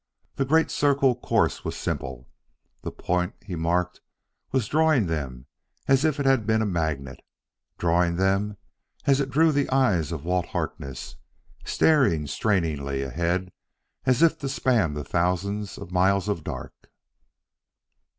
The great circle course was simple; the point he marked was drawing them as if it had been a magnet drawing them as it drew the eyes of Walt Harkness, staring strainingly ahead as if to span the thousands of miles of dark.